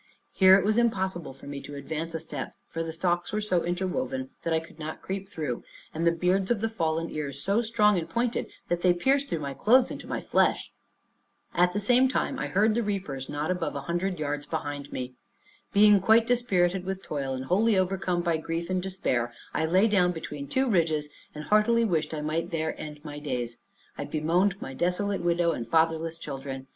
Here it was impossible for me to advance a step; for the stalks were so interwoven, that I could not creep through, and the beards of the fallen ears so strong and pointed, that they pierced through my clothes into my flesh. At the same time I heard the reapers not above a hundred yards behind me. Being quite dispirited with toil, and wholly overcome by grief and despair, I lay down between two ridges, and heartily wished I might there end my days. I bemoaned my desolate widow and fatherless children.